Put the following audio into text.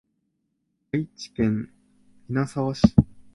愛知県稲沢市